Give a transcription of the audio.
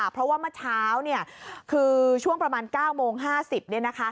เพราะว่าเมื่อเช้าคือช่วงประมาณ๙โมง๕๐